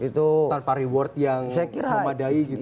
tanpa reward yang memadai gitu